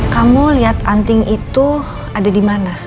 kamu lihat anting itu ada di mana